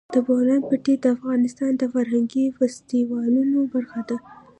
د بولان پټي د افغانستان د فرهنګي فستیوالونو برخه ده.